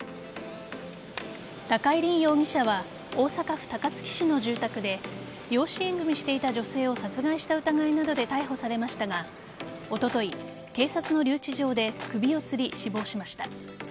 高井凜容疑者は大阪府高槻市の住宅で養子縁組していた女性を殺害した疑いなどで逮捕されましたがおととい警察の留置場で首をつり死亡しました。